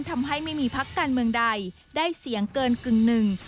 ทำให้ไม่มีพักการเมืองใดได้เสียงเกินกึ่งหนึ่ง